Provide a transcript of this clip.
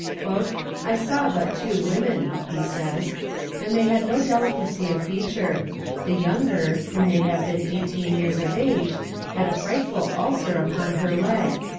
"I saw but two women," he says, "and they had no delicacy of feature; the younger, who may have been eighteen years of age, had a frightful ulcer upon her leg.